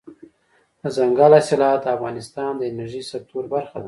دځنګل حاصلات د افغانستان د انرژۍ سکتور برخه ده.